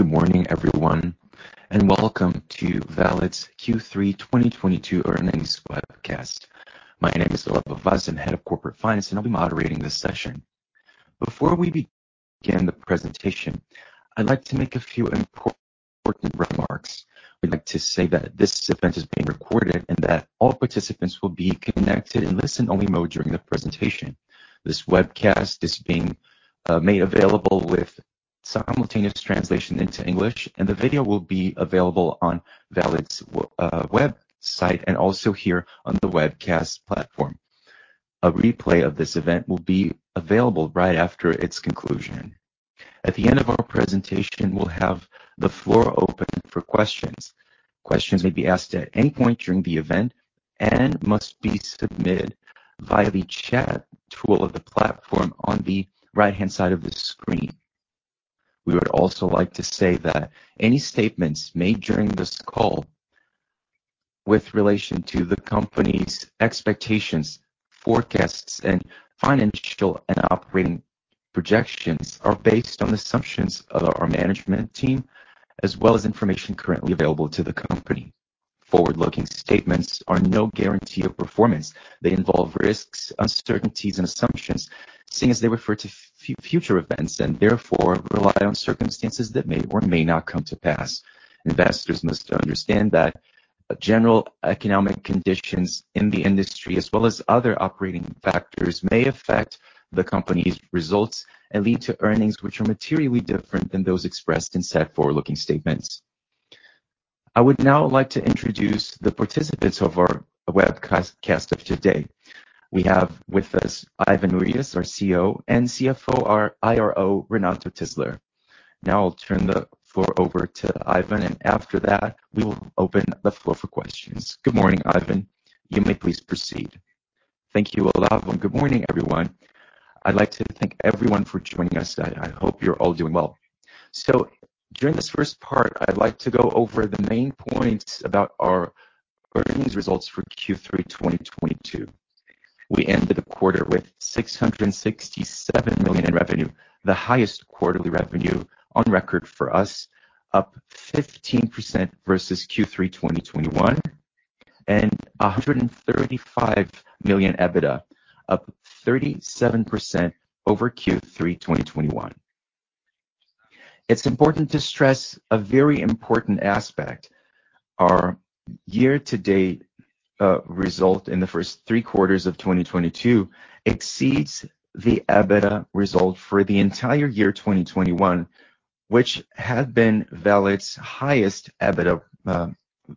Good morning, everyone, and welcome to Valid's Q3 2022 Earnings Webcast. My name is Olavo Vaz, I'm Head of Corporate Finance, and I'll be moderating this session. Before we begin the presentation, I'd like to make a few important remarks. We'd like to say that this event is being recorded and that all participants will be connected in listen-only mode during the presentation. This webcast is being made available with simultaneous translation into English, and the video will be available on Valid's website, and also here on the webcast platform. A replay of this event will be available right after its conclusion. At the end of our presentation, we'll have the floor open for questions. Questions may be asked at any point during the event and must be submitted via the chat tool of the platform on the right-hand side of the screen. We would also like to say that any statements made during this call with relation to the company's expectations, forecasts, and financial and operating projections are based on the assumptions of our management team as well as information currently available to the company. Forward-looking statements are no guarantee of performance. They involve risks, uncertainties and assumptions, seeing as they refer to future events and therefore rely on circumstances that may or may not come to pass. Investors must understand that general economic conditions in the industry, as well as other operating factors, may affect the company's results and lead to earnings which are materially different than those expressed in said forward-looking statements. I would now like to introduce the participants of our webcast of today. We have with us Ivan Luiz Murias dos Santos, our CEO, and CFO, our IRO, Renato Tysler. Now I'll turn the floor over to Ivan, and after that, we will open the floor for questions. Good morning, Ivan. You may please proceed. Thank you, Olavo, and good morning, everyone. I'd like to thank everyone for joining us today. I hope you're all doing well. During this first part, I'd like to go over the main points about our earnings results for Q3 2022. We ended the quarter with 667 million in revenue, the highest quarterly revenue on record for us, up 15% versus Q3 2021, and 135 million EBITDA, up 37% over Q3 2021. It's important to stress a very important aspect. Our year-to-date result in the first Q3 of 2022 exceeds the EBITDA result for the entire year 2021, which had been Valid's highest EBITDA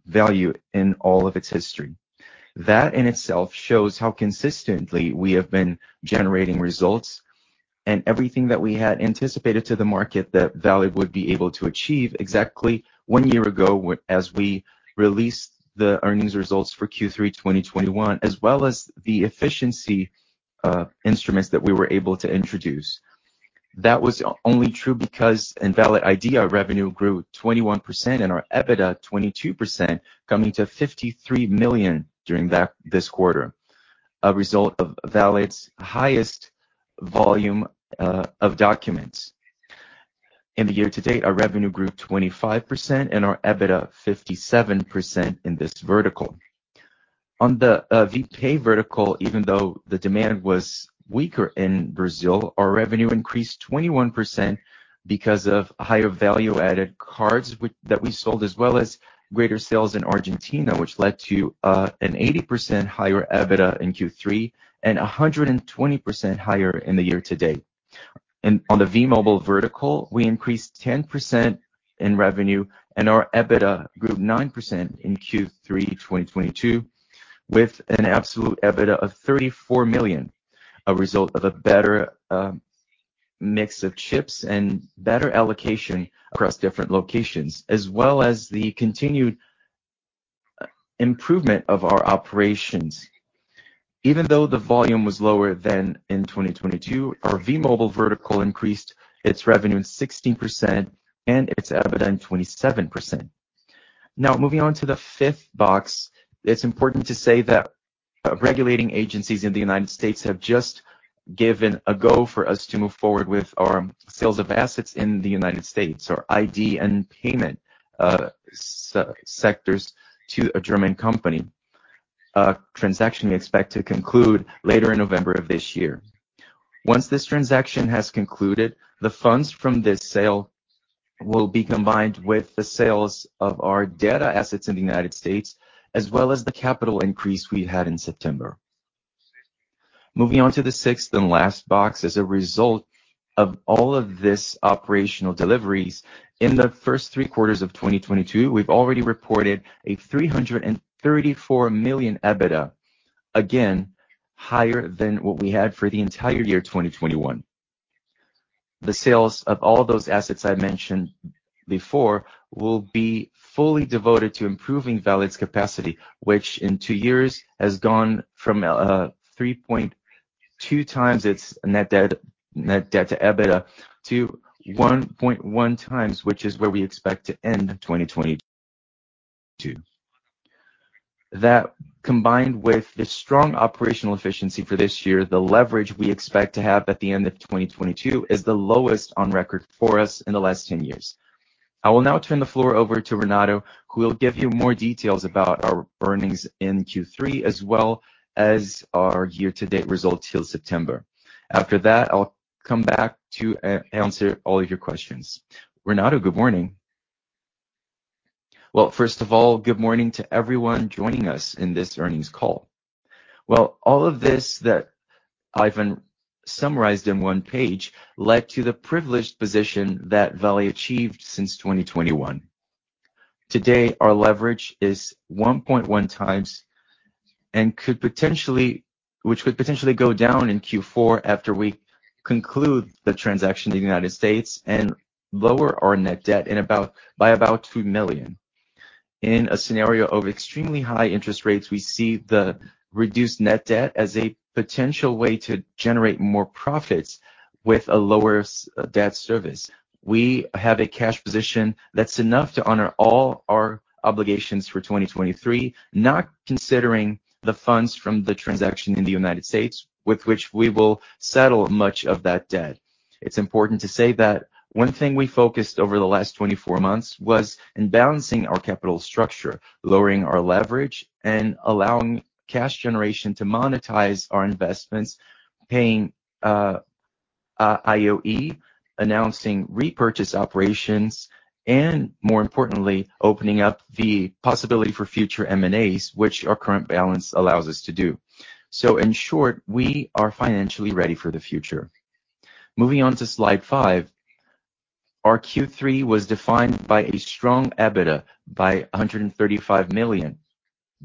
value in all of its history. That in itself shows how consistently we have been generating results and everything that we had anticipated to the market that Valid would be able to achieve exactly one year ago as we released the earnings results for Q3 2021, as well as the efficiency instruments that we were able to introduce. That was only true because in Valid ID, our revenue grew 21% and our EBITDA 22%, coming to 53 million during this quarter, a result of Valid's highest volume of documents. In the year-to-date, our revenue grew 25% and our EBITDA 57% in this vertical. On the V.Pay vertical, even though the demand was weaker in Brazil, our revenue increased 21% because of higher value-added cards that we sold, as well as greater sales in Argentina, which led to an 80% higher EBITDA in Q3 and a 120% higher in the year-to-date. On the V.Mobile vertical, we increased 10% in revenue, and our EBITDA grew 9% in Q3 2022 with an absolute EBITDA of 34 million, a result of a better mix of chips and better allocation across different locations, as well as the continued improvement of our operations. Even though the volume was lower than in 2022, our V.Mobile vertical increased its revenue 16% and its EBITDA 27%. Now, moving on to the fifth box, it's important to say that regulating agencies in the United States have just given a go for us to move forward with our sales of assets in the United States, our ID and payment sectors to a German company, a transaction we expect to conclude later in November of this year. Once this transaction has concluded, the funds from this sale will be combined with the sales of our data assets in the United States, as well as the capital increase we had in September. Moving on to the sixth and last box, as a result of all of this operational deliveries, in the first Q3 of 2022, we've already reported a 334 million EBITDA, again higher than what we had for the entire year 2021. The sales of all those assets I mentioned before will be fully devoted to improving Valid's capacity, which in two years has gone from 3.2 times its net debt to EBITDA to 1.1 times, which is where we expect to end 2022. That combined with the strong operational efficiency for this year, the leverage we expect to have at the end of 2022 is the lowest on record for us in the last 10 years. I will now turn the floor over to Renato, who will give you more details about our earnings in Q3 as well as our year-to-date results till September. After that, I'll come back to answer all of your questions. Renato, good morning. Well, first of all, good morning to everyone joining us in this earnings call. Well, all of this that Ivan summarized in one page led to the privileged position that Valid achieved since 2021. Today, our leverage is 1.1x and could potentially go down in Q4 after we conclude the transaction in the United States and lower our net debt by about $2 million. In a scenario of extremely high interest rates, we see the reduced net debt as a potential way to generate more profits with a lower debt service. We have a cash position that's enough to honor all our obligations for 2023, not considering the funds from the transaction in the United States, with which we will settle much of that debt. It's important to say that one thing we focused over the last 24 months was in balancing our capital structure, lowering our leverage, and allowing cash generation to monetize our investments, paying JCP, announcing repurchase operations, and more importantly, opening up the possibility for future M&As, which our current balance allows us to do. In short, we are financially ready for the future. Moving on to slide five. Our Q3 was defined by a strong EBITDA of 135 million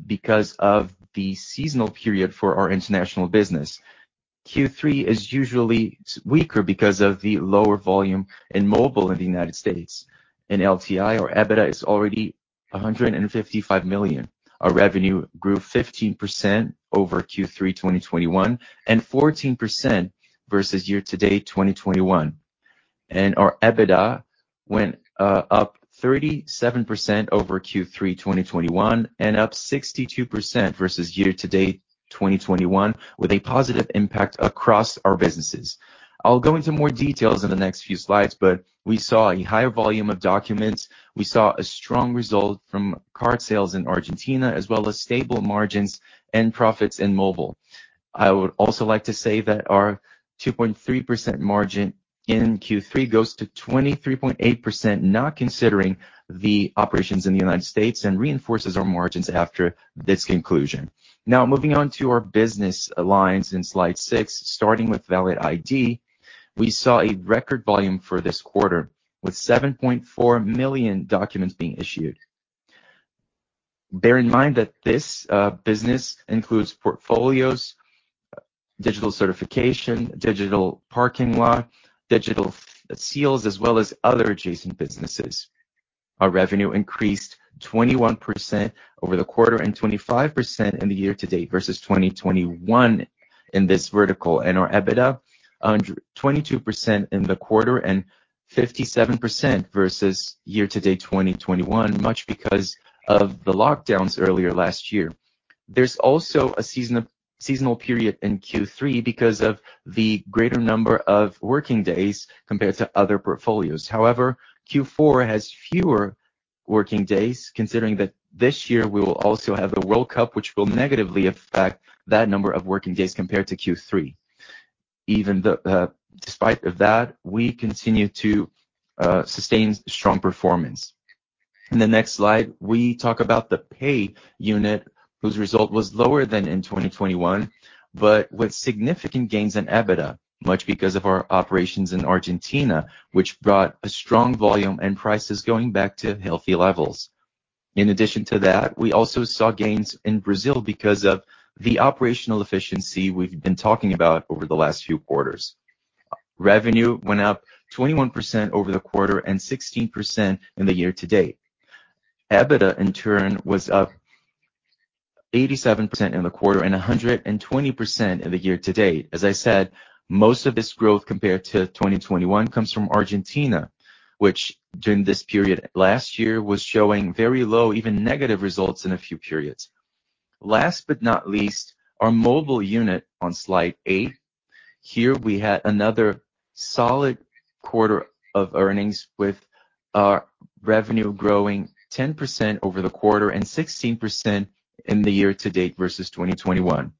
because of the seasonal period for our international business. Q3 is usually weaker because of the lower volume in mobile in the United States. In LTM, our EBITDA is already 155 million. Our revenue grew 15% over Q3 2021 and 14% versus year-to-date 2021. Our EBITDA went up 37% over Q3 2021 and up 62% versus year-to-date 2021, with a positive impact across our businesses. I'll go into more details in the next few slides, but we saw a higher volume of documents. We saw a strong result from card sales in Argentina, as well as stable margins and profits in mobile. I would also like to say that our 2.3% margin in Q3 goes to 23.8%, not considering the operations in the United States, and reinforces our margins after this conclusion. Now, moving on to our business lines in slide 6, starting with Valid ID. We saw a record volume for this quarter, with 7.4 million documents being issued. Bear in mind that this business includes portfolios, digital certification, digital parking, digital seals, as well as other adjacent businesses. Our revenue increased 21% over the quarter and 25% in the year-to-date versus 2021 in this vertical. Our EBITDA 22% in the quarter and 57% versus year-to-date 2021, much because of the lockdowns earlier last year. There's also a seasonal period in Q3 because of the greater number of working days compared to other portfolios. However, Q4 has fewer working days, considering that this year we will also have a World Cup, which will negatively affect that number of working days compared to Q3. Even despite of that, we continue to sustain strong performance. In the next slide, we talk about the V.Pay unit, whose result was lower than in 2021, but with significant gains in EBITDA, much because of our operations in Argentina, which brought a strong volume and prices going back to healthy levels. In addition to that, we also saw gains in Brazil because of the operational efficiency we've been talking about over the last few quarters. Revenue went up 21% over the quarter and 16% in the year-to-date. EBITDA, in turn, was up 87% in the quarter and 120% in the year-to-date. As I said, most of this growth compared to 2021 comes from Argentina, which during this period last year was showing very low, even negative results in a few periods. Last but not least, our V.Mobile unit on slide eight. Here we had another solid quarter of earnings with our revenue growing 10% over the quarter and 16% in the year-to-date versus 2021.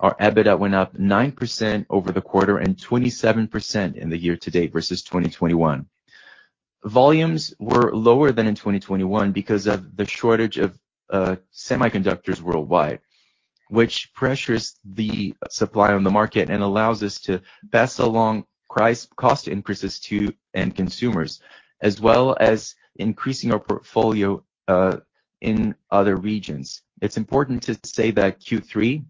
Our EBITDA went up 9% over the quarter and 27% in the year-to-date versus 2021. Volumes were lower than in 2021 because of the shortage of semiconductors worldwide, which pressures the supply on the market and allows us to pass along price cost increases to end consumers, as well as increasing our portfolio in other regions. It's important to say that Q3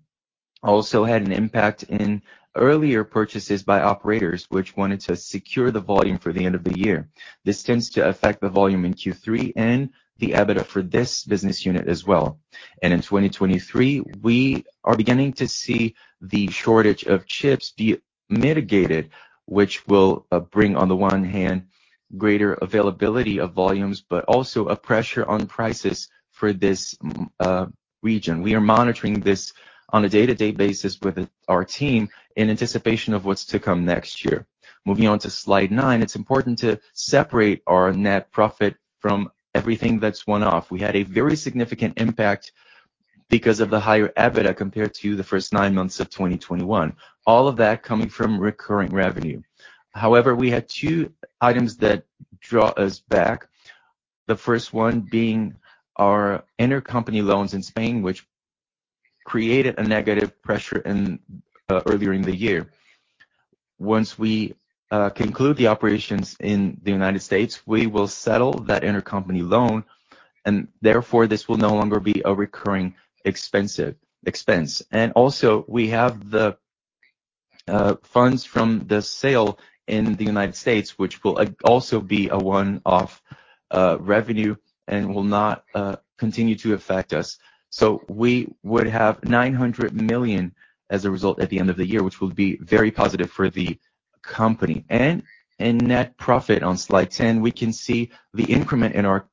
also had an impact in earlier purchases by operators which wanted to secure the volume for the end of the year. This tends to affect the volume in Q3 and the EBITDA for this business unit as well. In 2023, we are beginning to see the shortage of chips be mitigated, which will bring, on the one hand, greater availability of volumes, but also a pressure on prices for this region. We are monitoring this on a day-to-day basis with our team in anticipation of what's to come next year. Moving on to slide 9, it's important to separate our net profit from everything that's one-off. We had a very significant impact because of the higher EBITDA compared to the first nine months of 2021. All of that coming from recurring revenue. However, we had two items that draw us back. The first one being our intercompany loans in Spain, which created a negative pressure earlier in the year. Once we conclude the operations in the United States, we will settle that intercompany loan, and therefore, this will no longer be a recurring expense. We have the funds from the sale in the United States, which will also be a one-off revenue and will not continue to affect us. We would have 900 million as a result at the end of the year, which will be very positive for the company. In net profit on slide 10, we can see the increment in our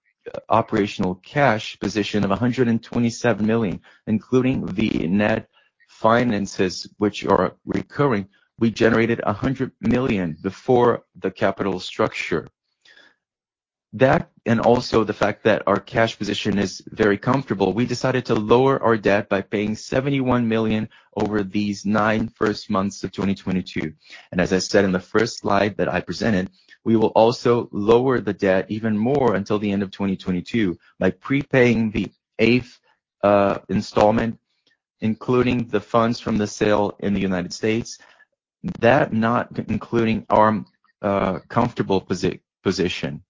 operational cash position of 127 million, including the net finances, which are recurring. We generated 100 million before the capital structure. That, and also the fact that our cash position is very comfortable, we decided to lower our debt by paying 71 million over these first nine months of 2022. As I said in the first slide that I presented, we will also lower the debt even more until the end of 2022 by prepaying the eighth installment, including the funds from the sale in the United States. That, not including our comfortable position.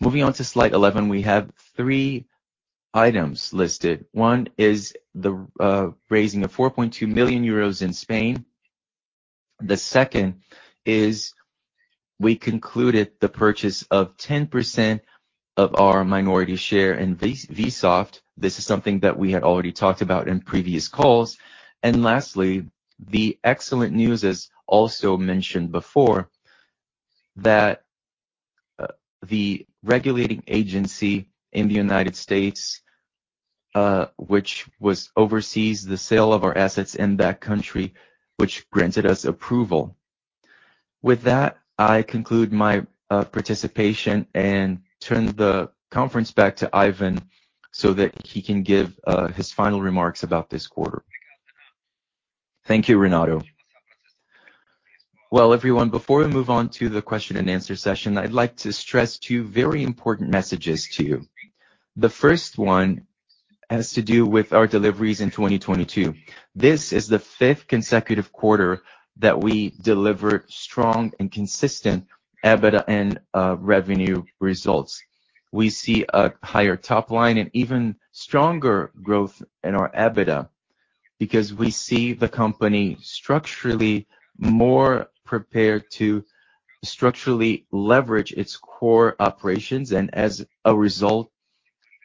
Moving on to slide 11, we have three items listed. One is the raising of 4.2 million euros in Spain. The second is we concluded the purchase of 10% of our minority share in VSoft. This is something that we had already talked about in previous calls. Lastly, the excellent news as also mentioned before, that the regulatory agency in the United States, which oversees the sale of our assets in that country, which granted us approval. With that, I conclude my participation and turn the conference back to Ivan so that he can give his final remarks about this quarter. Thank you, Renato. Well, everyone, before we move on to the question and answer session, I'd like to stress two very important messages to you. The first one has to do with our deliveries in 2022. This is the fifth consecutive quarter that we delivered strong and consistent EBITDA and revenue results. We see a higher top line and even stronger growth in our EBITDA because we see the company structurally more prepared to structurally leverage its core operations, and as a result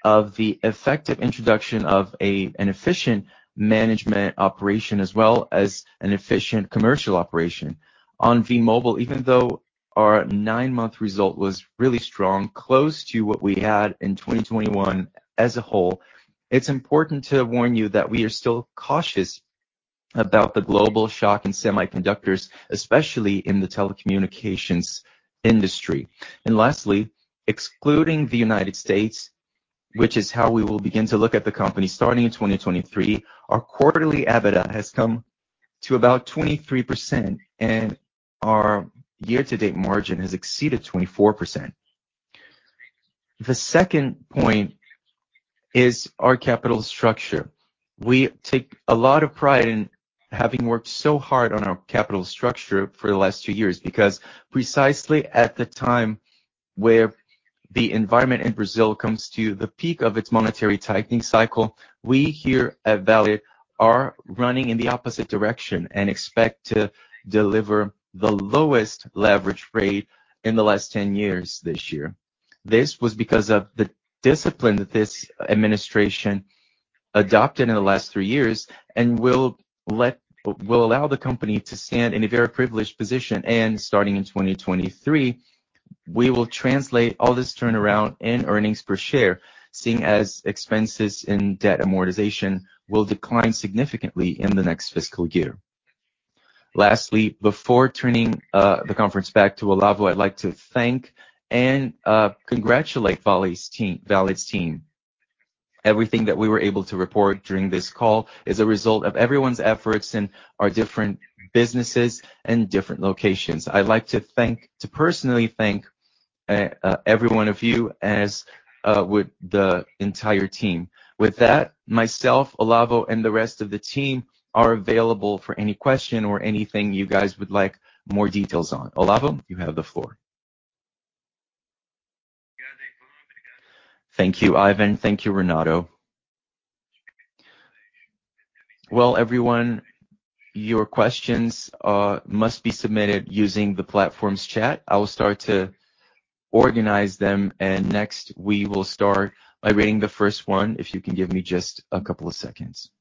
of the effective introduction of an efficient management operation as well as an efficient commercial operation. On V.Mobile, even though our 9-month result was really strong, close to what we had in 2021 as a whole, it's important to warn you that we are still cautious about the global shock in semiconductors, especially in the telecommunications industry. Lastly, excluding the United States, which is how we will begin to look at the company starting in 2023, our quarterly EBITDA has come to about 23%, and our year-to-date margin has exceeded 24%. The second point is our capital structure. We take a lot of pride in having worked so hard on our capital structure for the last two years, because precisely at the time where the environment in Brazil comes to the peak of its monetary tightening cycle, we here at Valid are running in the opposite direction and expect to deliver the lowest leverage rate in the last 10 years this year. This was because of the discipline that this administration adopted in the last three years and will allow the company to stand in a very privileged position. Starting in 2023, we will translate all this turnaround in earnings per share, seeing as expenses in debt amortization will decline significantly in the next fiscal year. Lastly, before turning the conference back to Olavo, I'd like to thank and congratulate Valid's team. Everything that we were able to report during this call is a result of everyone's efforts in our different businesses and different locations. I'd like to personally thank every one of you with the entire team. With that, myself, Olavo, and the rest of the team are available for any question or anything you guys would like more details on. Olavo, you have the floor. Thank you, Ivan. Thank you, Renato. Well, everyone, your questions must be submitted using the platform's chat. I will start to organize them, and next, we will start by reading the first one, if you can give me just a couple of seconds.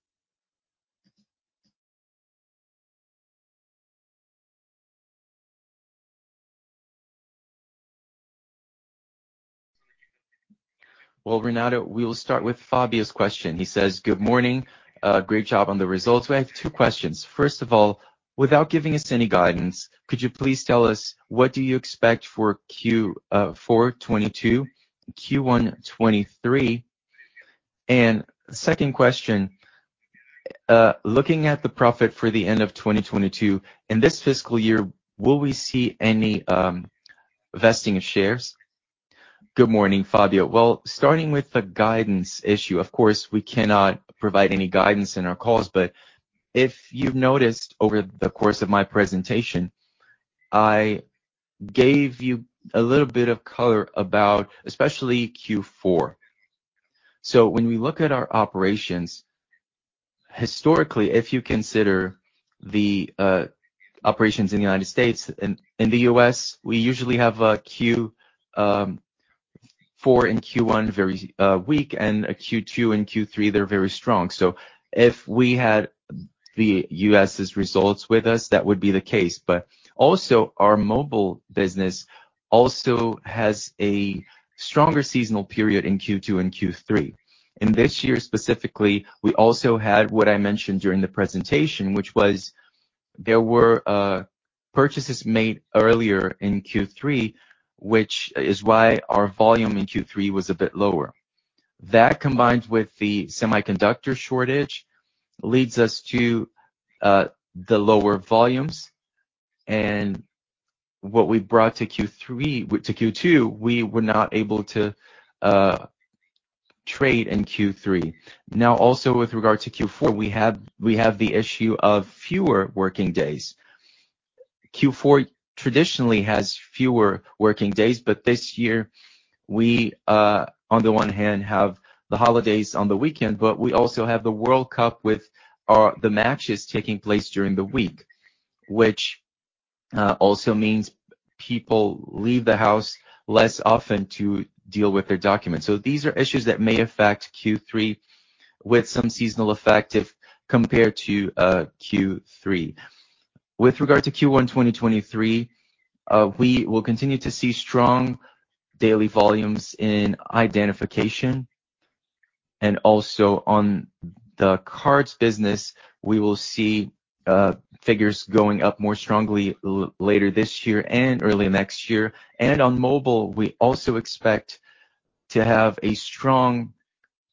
Well, Renato, we will start with Fabio's question. He says, "Good morning. Great job on the results. We have two questions. First of all, without giving us any guidance, could you please tell us what do you expect for Q4 2022, Q1 2023? Second question, looking at the profit for the end of 2022, in this fiscal year, will we see any vesting of shares? Good morning, Fabio. Well, starting with the guidance issue, of course, we cannot provide any guidance in our calls. If you've noticed over the course of my presentation, I gave you a little bit of color about especially Q4. When we look at our operations, historically, if you consider the operations in the United States, in the U.S., we usually have a Q4 and Q1 very weak and a Q2 and Q3, they're very strong. If we had the U.S.'s results with us, that would be the case. Also, our mobile business also has a stronger seasonal period in Q2 and Q3. In this year specifically, we also had what I mentioned during the presentation, which was there were purchases made earlier in Q3, which is why our volume in Q3 was a bit lower. That combined with the semiconductor shortage leads us to the lower volumes. What we brought to Q2, we were not able to trade in Q3. Now, also with regard to Q4, we have the issue of fewer working days. Q4 traditionally has fewer working days, but this year we on the one hand have the holidays on the weekend, but we also have the World Cup with the matches taking place during the week, which also means people leave the house less often to deal with their documents. These are issues that may affect Q3 with some seasonal effect if compared to Q3. With regard to Q1, 2023, we will continue to see strong daily volumes in identification. Also on the cards business, we will see figures going up more strongly later this year and early next year. On mobile, we also expect to have a strong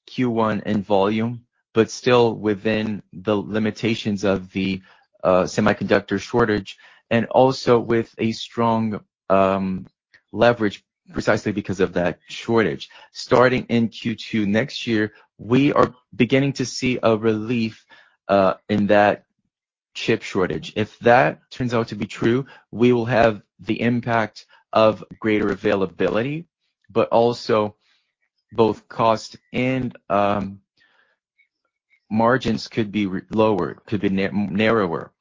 Q1 in volume, but still within the limitations of the semiconductor shortage, and also with a strong leverage precisely because of that shortage. Starting in Q2 next year, we are beginning to see a relief in that chip shortage. If that turns out to be true, we will have the impact of greater availability, but also both cost and margins could be lowered, could be narrower.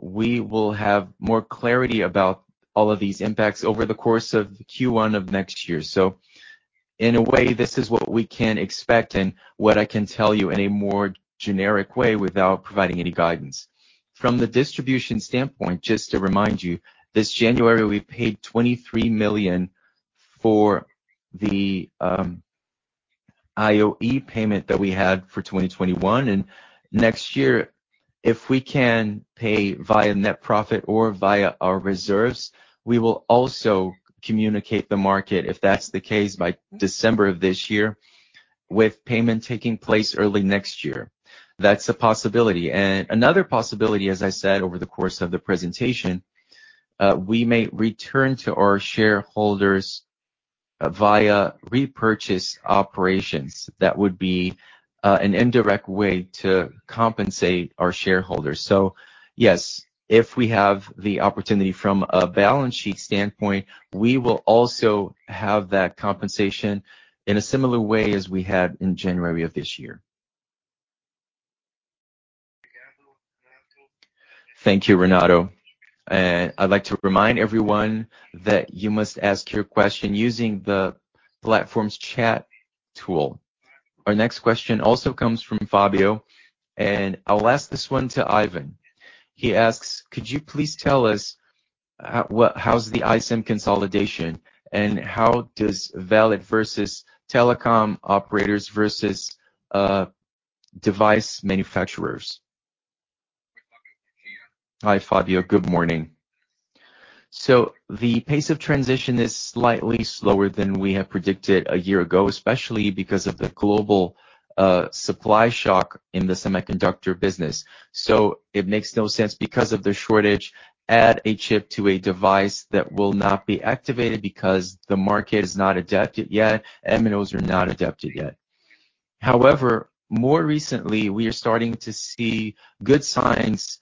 We will have more clarity about all of these impacts over the course of Q1 of next year. In a way, this is what we can expect and what I can tell you in a more generic way without providing any guidance. From the distribution standpoint, just to remind you, this January, we paid 23 million for the JCP payment that we had for 2021. Next year, if we can pay via net profit or via our reserves, we will also communicate the market if that's the case by December of this year, with payment taking place early next year. That's a possibility. Another possibility, as I said over the course of the presentation, we may return to our shareholders via repurchase operations. That would be an indirect way to compensate our shareholders. Yes, if we have the opportunity from a balance sheet standpoint, we will also have that compensation in a similar way as we had in January of this year. Thank you, Renato. I'd like to remind everyone that you must ask your question using the platform's chat tool. Our next question also comes from Fabio, and I'll ask this one to Ivan. He asks: Could you please tell us how's the eSIM consolidation and how does Valid versus telecom operators versus device manufacturers? Hi, Fabio. Good morning. The pace of transition is slightly slower than we have predicted a year ago, especially because of the global supply shock in the semiconductor business. It makes no sense because of the shortage, add a chip to a device that will not be activated because the market is not adapted yet, MNOs are not adapted yet. However, more recently, we are starting to see good signs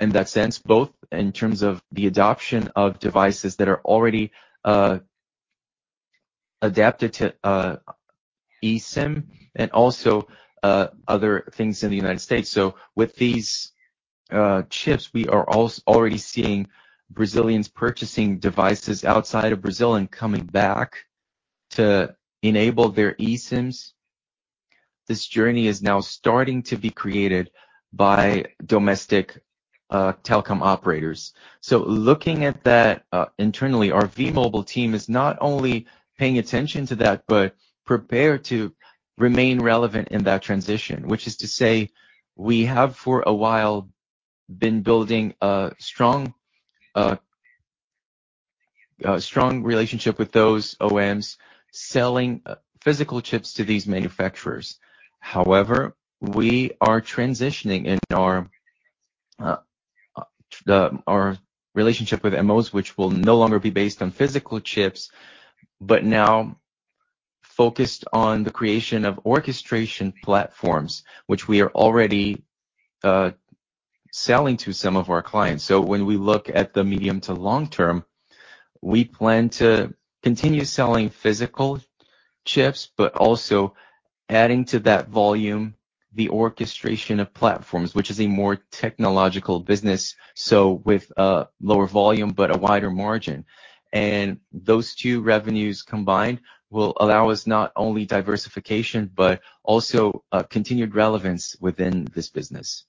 in that sense, both in terms of the adoption of devices that are already adapted to eSIM and also other things in the United States. With these chips, we are already seeing Brazilians purchasing devices outside of Brazil and coming back to enable their eSIMs. This journey is now starting to be created by domestic telecom operators. Looking at that, internally, our V.Mobile team is not only paying attention to that, but prepared to remain relevant in that transition, which is to say we have for a while been building a strong relationship with those OEMs, selling physical chips to these manufacturers. However, we are transitioning in our relationship with MNOs, which will no longer be based on physical chips, but now focused on the creation of orchestration platforms, which we are already selling to some of our clients. When we look at the medium to long term, we plan to continue selling physical chips, but also adding to that volume the orchestration of platforms, which is a more technological business, so with a lower volume but a wider margin. Those two revenues combined will allow us not only diversification, but also continued relevance within this business.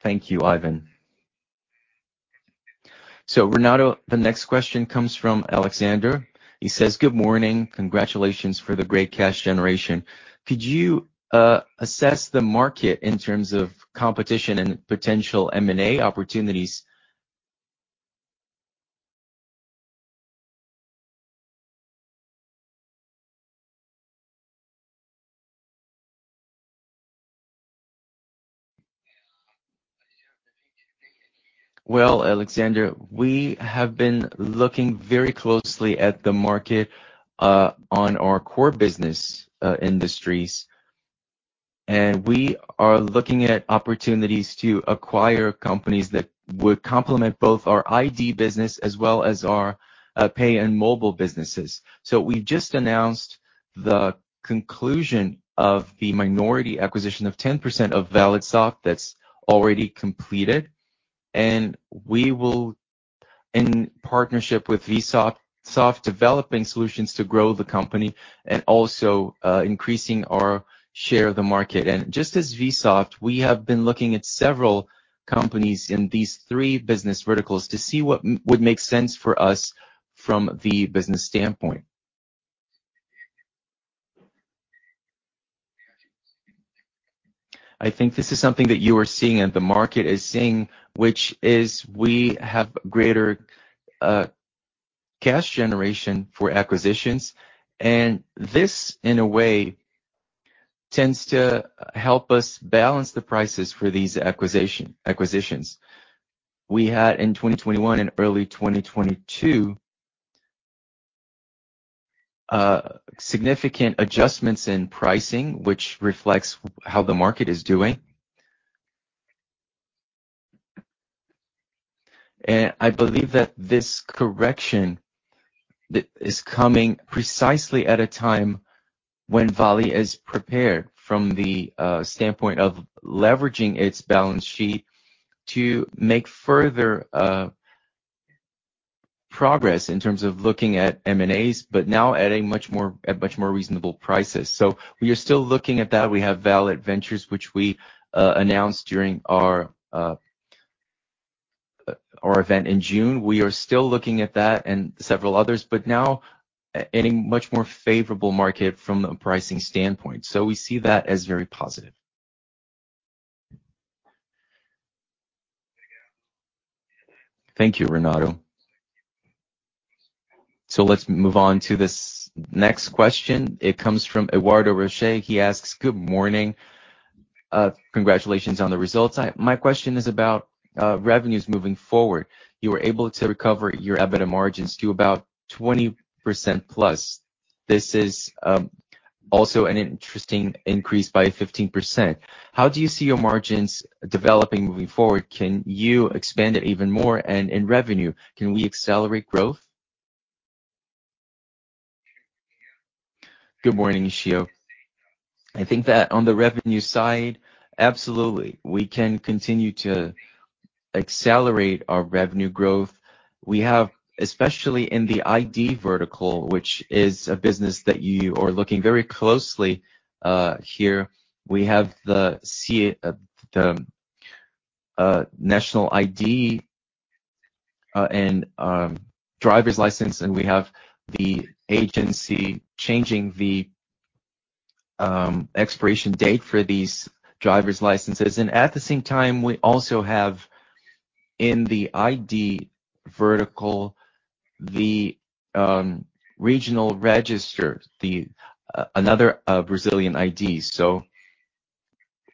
Thank you, Ivan. Renato, the next question comes from Alexander. He says, "Good morning. Congratulations for the great cash generation. Could you assess the market in terms of competition and potential M&A opportunities?" Well, Alexander, we have been looking very closely at the market on our core business industries, and we are looking at opportunities to acquire companies that would complement both our ID business as well as our pay and mobile businesses. We just announced the conclusion of the minority acquisition of 10% of Vsoft that's already completed, and we will in partnership with Vsoft developing solutions to grow the company and also increasing our share of the market. Just as Vsoft, we have been looking at several companies in these three business verticals to see what would make sense for us from the business standpoint. I think this is something that you are seeing and the market is seeing, which is we have greater cash generation for acquisitions. This, in a way, tends to help us balance the prices for these acquisitions. We had in 2021 and early 2022 significant adjustments in pricing, which reflects how the market is doing. I believe that this correction is coming precisely at a time when Valid is prepared from the standpoint of leveraging its balance sheet to make further progress in terms of looking at M&As, but now at much more reasonable prices. We are still looking at that. We have Valid Ventures, which we announced during our event in June. We are still looking at that and several others, but now at a much more favorable market from the pricing standpoint. We see that as very positive. Thank you, Renato. Let's move on to this next question. It comes from Eduardo Rocha. He asks, "Good morning. Congratulations on the results. My question is about, revenues moving forward. You were able to recover your EBITDA margins to about 20% plus. This is also an interesting increase by 15%. How do you see your margins developing moving forward? Can you expand it even more? And in revenue, can we accelerate growth?" Good morning, Rocha. I think that on the revenue side, absolutely, we can continue to accelerate our revenue growth. We have, especially in the ID vertical, which is a business that you are looking very closely here. We have the national ID and driver's license, and we have the agency changing the expiration date for these driver's licenses. At the same time, we also have in the ID vertical the regional register, the another Brazilian ID.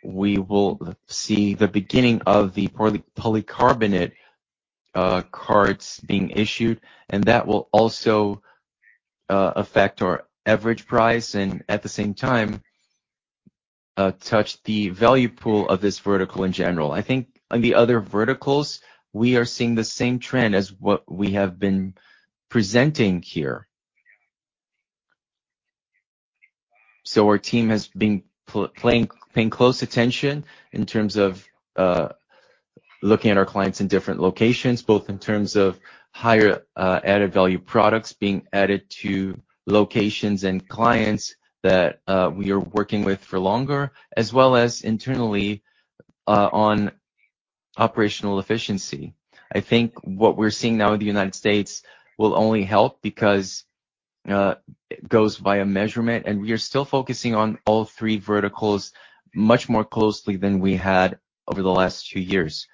We will see the beginning of the polycarbonate cards being issued, and that will also affect our average price and at the same time touch the value pool of this vertical in general. I think on the other verticals, we are seeing the same trend as what we have been presenting here. Our team has been paying close attention in terms of looking at our clients in different locations, both in terms of higher added value products being added to locations and clients that we are working with for longer, as well as internally on operational efficiency. I think what we're seeing now in the United States will only help because it goes via measurement, and we are still focusing on all three verticals much more closely than we had over the last two years.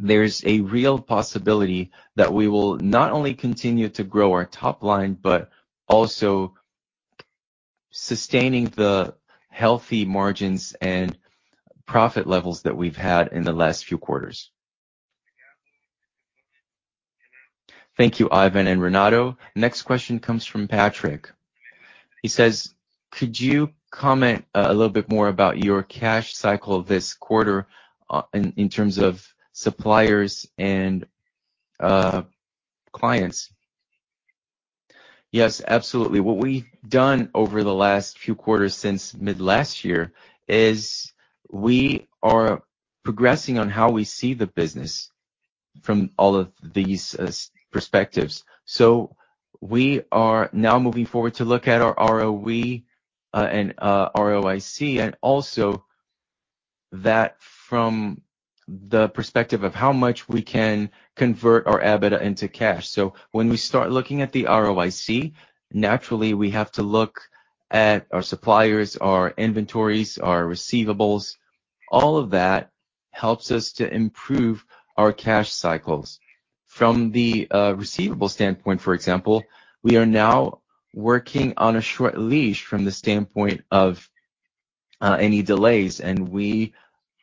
There's a real possibility that we will not only continue to grow our top line, but also sustaining the healthy margins and profit levels that we've had in the last few quarters. Thank you, Ivan and Renato. Next question comes from Patrick. He says, "Could you comment a little bit more about your cash cycle this quarter in terms of suppliers and clients?" Yes, absolutely. What we've done over the last few quarters since mid last year is we are progressing on how we see the business from all of these perspectives. We are now moving forward to look at our ROE, and ROIC, and also that from the perspective of how much we can convert our EBITDA into cash. When we start looking at the ROIC, naturally, we have to look at our suppliers, our inventories, our receivables. All of that helps us to improve our cash cycles. From the receivable standpoint, for example, we are now working on a short leash from the standpoint of any delays, and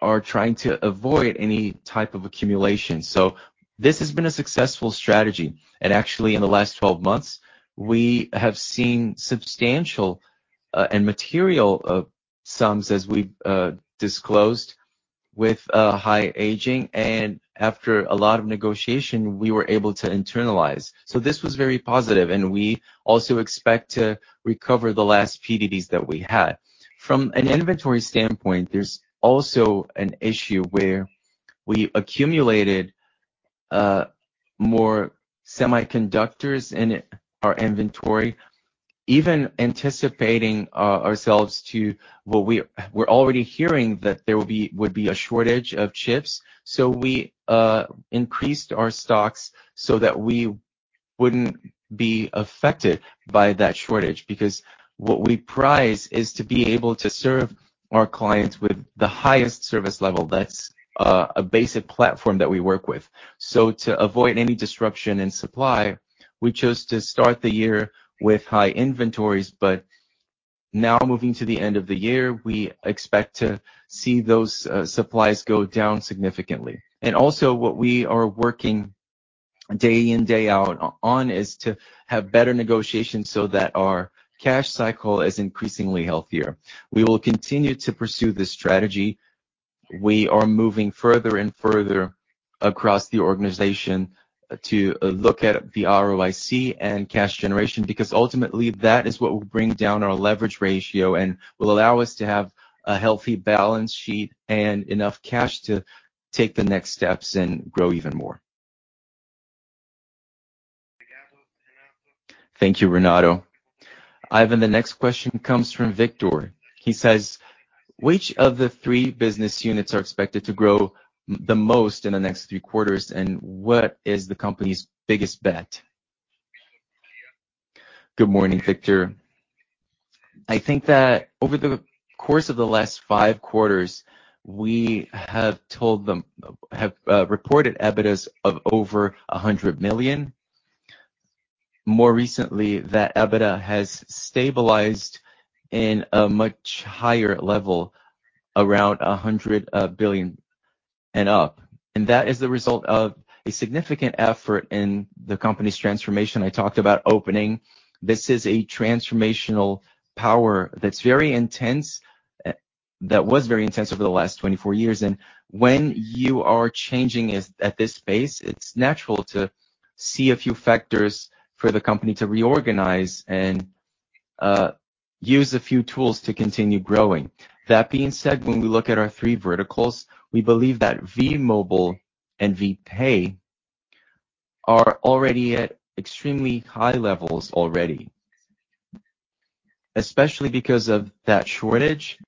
we are trying to avoid any type of accumulation. This has been a successful strategy. Actually, in the last 12 months, we have seen substantial and material sums as we've disclosed with high aging. After a lot of negotiation, we were able to internalize. This was very positive, and we also expect to recover the last PDDs that we had. From an inventory standpoint, there's also an issue where we accumulated more semiconductors in our inventory, even anticipating ourselves to what we're already hearing that there would be a shortage of chips. We increased our stocks so that we wouldn't be affected by that shortage. Because what we prize is to be able to serve our clients with the highest service level. That's a basic platform that we work with. To avoid any disruption in supply, we chose to start the year with high inventories. Now moving to the end of the year, we expect to see those supplies go down significantly. Also what we are working day in, day out on is to have better negotiations so that our cash cycle is increasingly healthier. We will continue to pursue this strategy. We are moving further and further across the organization to look at the ROIC and cash generation, because ultimately that is what will bring down our leverage ratio and will allow us to have a healthy balance sheet and enough cash to take the next steps and grow even more. Thank you, Renato. Ivan, the next question comes from Victor. He says, "Which of the three business units are expected to grow the most in the next Q3, and what is the company's biggest bet?" Good morning, Victor. I think that over the course of the last Q5, we have reported EBITDA of over 100 million. More recently, that EBITDA has stabilized in a much higher level, around 100 billion and up. That is the result of a significant effort in the company's transformation I talked about opening. This is a transformational power that's very intense, that was very intense over the last 24 years. When you are changing at this pace, it's natural to see a few factors for the company to reorganize and use a few tools to continue growing. That being said, when we look at our three verticals, we believe that V Mobile and V Pay are already at extremely high levels already. Especially because of that shortage,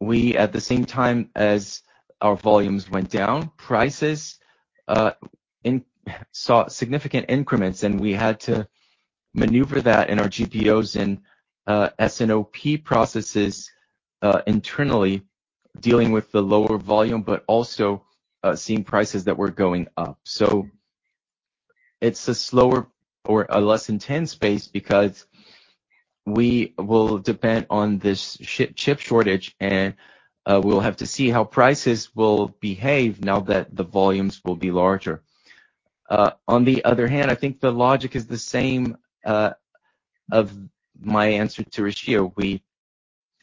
we at the same time as our volumes went down, prices saw significant increments, and we had to maneuver that in our GPOs and S&OP processes internally dealing with the lower volume, but also seeing prices that were going up. It's a slower or a less intense pace because we will depend on this chip shortage, and we'll have to see how prices will behave now that the volumes will be larger. On the other hand, I think the logic is the same of my answer to Eduardo Rocha. We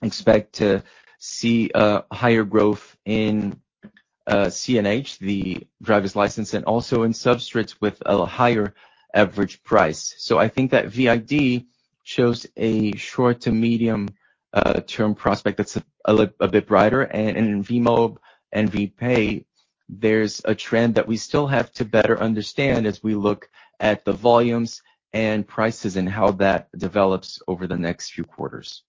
expect to see higher growth in CNH, the driver's license, and also in substrates with a higher average price. I think that Valid ID shows a short- to medium-term prospect that's a bit brighter. In V.Mobile and V.Pay, there's a trend that we still have to better understand as we look at the volumes and prices and how that develops over the next few quarters.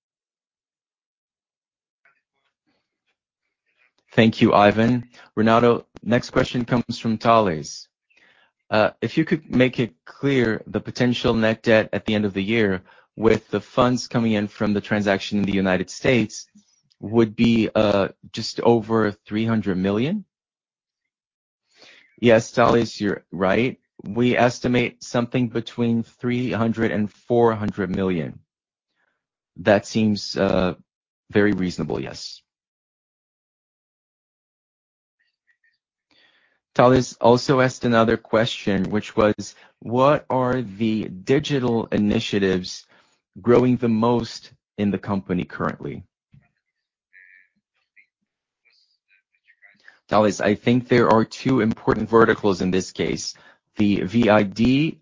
Thank you, Ivan. Renato, next question comes from Talles. If you could make it clear, the potential net debt at the end of the year with the funds coming in from the transaction in the United States would be just over $300 million? Yes, Talles, you're right. We estimate something between $300 million and $400 million. That seems very reasonable, yes. Talles also asked another question, which was, What are the digital initiatives growing the most in the company currently? Talles, I think there are two important verticals in this case. The VID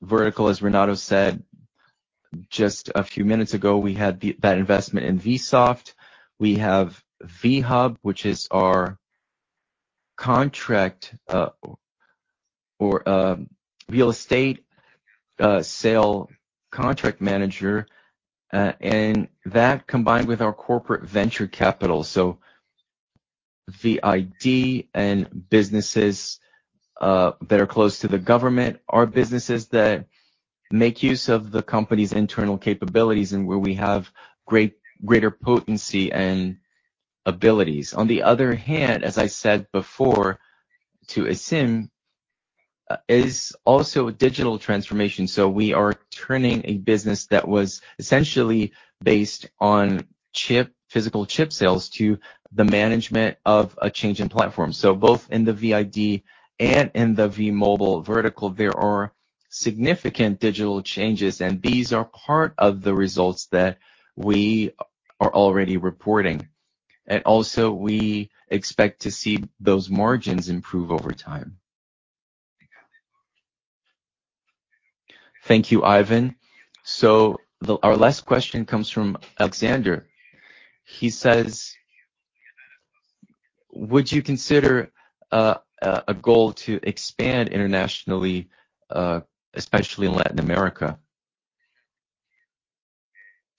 vertical, as Renato said just a few minutes ago, we had that investment in Vsoft. We have VHub, which is our contract or real estate sale contract manager, and that combined with our corporate venture capital. VID and businesses that are close to the government are businesses that make use of the company's internal capabilities and where we have greater potency and abilities. On the other hand, as I said before to Fabio, is also a digital transformation, so we are turning a business that was essentially based on chip, physical chip sales to the management of a change in platform. Both in the VID and in the V.Mobile vertical, there are significant digital changes, and these are part of the results that we are already reporting. We expect to see those margins improve over time. Thank you, Ivan. Our last question comes from Alexander. He says: Would you consider a goal to expand internationally, especially in Latin America?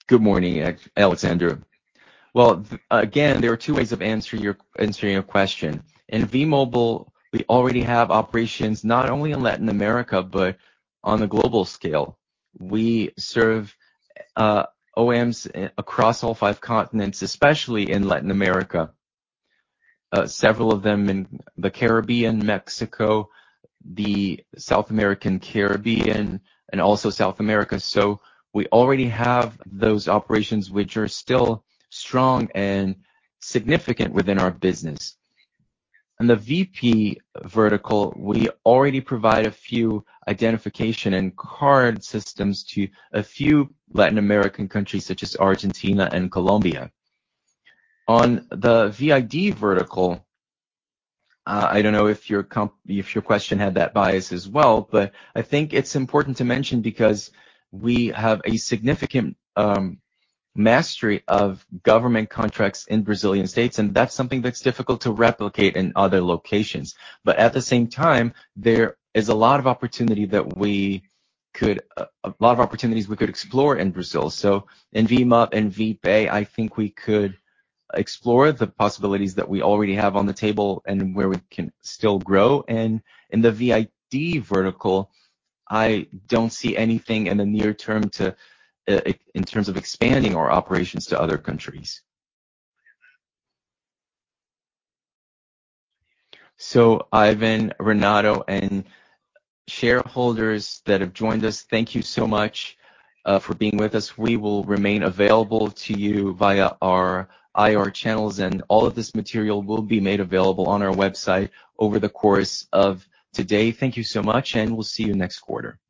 Good morning, Alexander. Well, again, there are two ways of answering your question. In V.Mobile, we already have operations not only in Latin America, but on a global scale. We serve MNOs across all five continents, especially in Latin America, several of them in the Caribbean, Mexico, the South American, Caribbean, and also South America. We already have those operations, which are still strong and significant within our business. In the VID vertical, we already provide a few identification and card systems to a few Latin American countries, such as Argentina and Colombia. On the VID vertical, I don't know if your question had that bias as well, but I think it's important to mention because we have a significant mastery of government contracts in Brazilian states, and that's something that's difficult to replicate in other locations. At the same time, there is a lot of opportunities we could explore in Brazil. In V.Mobile and V.PAY, I think we could explore the possibilities that we already have on the table and where we can still grow. In the VID vertical, I don't see anything in the near term in terms of expanding our operations to other countries. Ivan, Renato, and shareholders that have joined us, thank you so much for being with us. We will remain available to you via our IR channels, and all of this material will be made available on our website over the course of today. Thank you so much, and we'll see you next quarter.